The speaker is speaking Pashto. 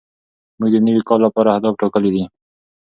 موږ د نوي کال لپاره اهداف ټاکلي دي.